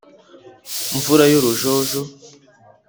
nvura y’urujojo